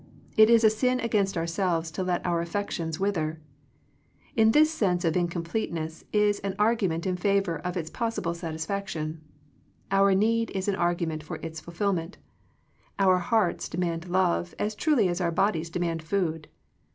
It is a sin against ourselves to let our affections wither. This sense of incompleteness is an argu ment in favor of its possible satisfaction ; our need is an argument for its fulfillment Our hearts demand love, as truly as our bodies demand food.